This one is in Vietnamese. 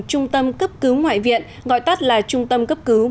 trung tâm cấp cứu ngoại viện gọi tắt là trung tâm cấp cứu một trăm một mươi năm